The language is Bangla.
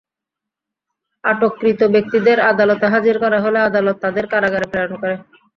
আটককৃত ব্যক্তিদের আদালতে হাজির করা হলে আদালত তাঁদের কারাগারে প্রেরণ করে।